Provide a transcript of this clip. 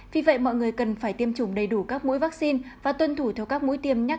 vì vậy mọi người cần phải tiêm chủng đầy đủ các mũi vaccine và tuân thủ theo các mũi tiêm nhắc